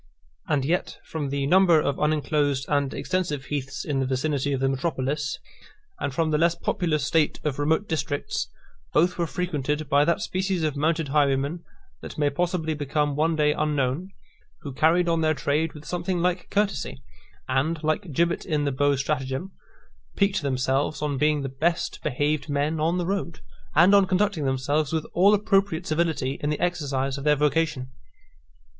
And yet, from the number of unenclosed and extensive heaths in the vicinity of the metropolis, and from the less populous state of remote districts, both were frequented by that species of mounted highwaymen, that may possibly become one day unknown, who carried on their trade with something like courtesy; and, like Gibbet in the Beaux Stratagem, piqued themselves on being the best behaved men on the road, and on conducting themselves with all appropriate civility in the exercise of their vocation.